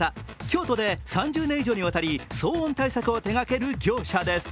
京都で３０年以上にわたり騒音対策を手がける業者です。